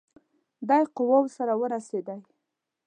دی قواوو سره ورسېدی.